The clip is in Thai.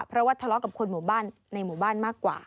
เพราะว่าทะเลาะกับคนหมู่บ้านในหมู่บ้านมากกว่า